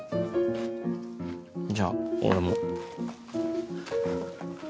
じゃあ俺も。